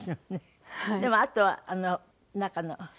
でもあとは中の。